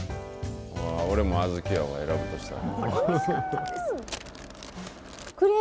俺も小豆やわ、選ぶとしたら。